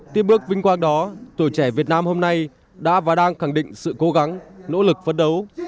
tiếp bước vinh quang đó tuổi trẻ việt nam hôm nay đã và đang khẳng định sự cố gắng nỗ lực phấn đấu